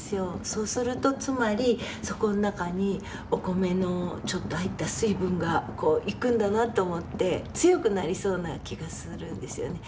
そうするとつまりそこの中にお米のちょっと入った水分がこういくんだなと思って強くなりそうな気がするんですよね。